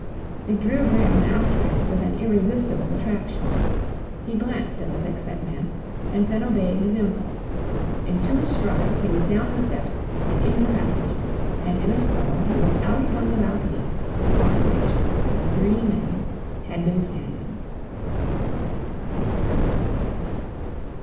It drew Graham after it with an irresistible attraction. He glanced at the thickset man, and then obeyed his impulse. In two strides he was down the steps and in the passage, and in a score he was out upon the balcony upon which the three men had been standing.